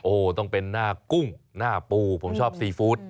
โอ้โหต้องเป็นหน้ากุ้งหน้าปูผมชอบซีฟู้ด